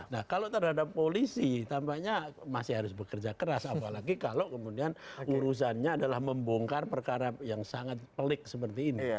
nah kalau terhadap polisi tampaknya masih harus bekerja keras apalagi kalau kemudian urusannya adalah membongkar perkara yang sangat pelik seperti ini